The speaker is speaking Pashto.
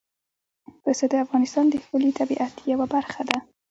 پسه د افغانستان د ښکلي طبیعت یوه برخه ده.